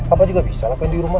apa juga bisa lakukan di rumah